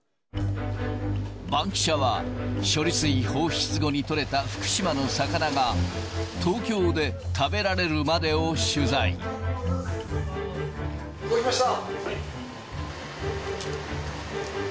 バンキシャは、処理水放出後に取れた福島の魚が東京で食べら届きました。